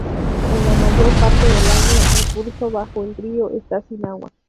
En la mayor parte del año, el curso bajo del río está sin agua.